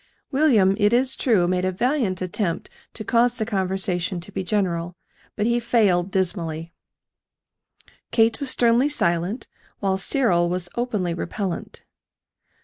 William, it is true, made a valiant attempt to cause the conversation to be general; but he failed dismally. Kate was sternly silent, while Cyril was openly repellent.